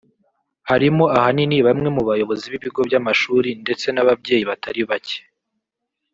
harimo ahanini bamwe mu bayobozi b’ibigo by’amashuri ndetse n’ababyeyi batari bake